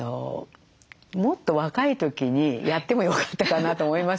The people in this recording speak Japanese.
もっと若い時にやってもよかったかなと思いますよね。